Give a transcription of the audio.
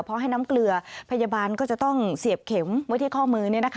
เพราะให้น้ำเกลือพยาบาลก็จะต้องเสียบเข็มไว้ที่ข้อมือ